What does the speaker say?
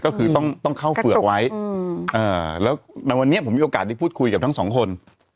ก็คือต้องเข้าเฝือกไว้แล้วในวันนี้ผมมีโอกาสได้พูดคุยกับทั้งสองคน